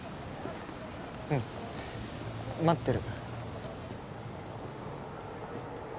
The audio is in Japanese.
うん待ってる。